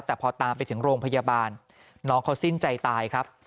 แต่พอตามไปถึงโรงพยาบาลน้องเขาสิ้นใจตายครับ